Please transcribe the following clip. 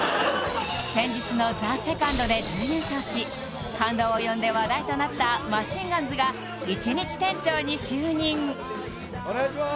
先日のＴＨＥＳＥＣＯＮＤで準優勝し感動を呼んで話題となったマシンガンズが１日店長に就任お願いします